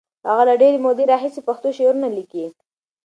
هغه له ډېرې مودې راهیسې پښتو شعرونه لیکي.